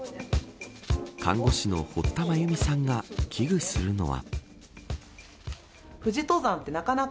看護師の堀田麻由美さんが危惧するのは。